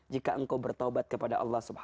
jika engkau bertawabat kepada allah